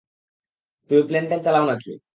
তুমি প্লেন-টেন চালাও নাকি?